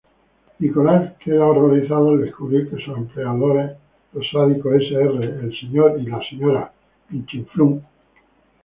Nicholas queda horrorizado al descubrir que sus empleadores, los sádicos Sr. y Sra.